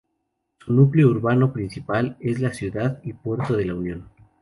Su núcleo urbano principal es la Ciudad y Puerto La Unión.